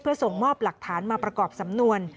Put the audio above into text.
เพื่อส่งมอบหลักฐานมาประกอบสำนวน